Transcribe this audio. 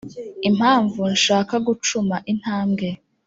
Impamvu nshaka gucuma intambwe